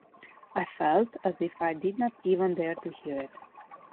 I felt as if I did not even dare to hear it.